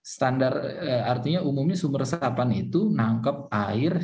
standar artinya umumnya sumber resapan itu nangkep air